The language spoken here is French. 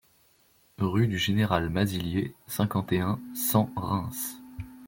Rue du Général Mazillier, cinquante et un, cent Reims